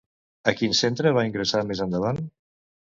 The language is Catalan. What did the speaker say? A quin centre va ingressar més endavant?